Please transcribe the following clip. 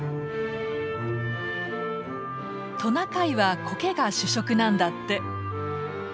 トナカイはコケが主食なんだって。